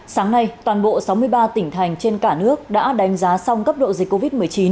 sáng nay toàn bộ sáu mươi ba tỉnh thành trên cả nước đã đánh giá xong cấp độ dịch covid một mươi chín